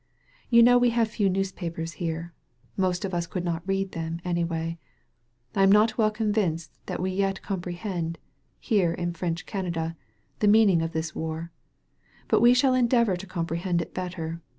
You know we have few news papers here. Most of us could not read them, any way. I am not well convinced that we yet com prehend, here in French Canada, the meaning of this war. But we shall endeavor to comprehend it better.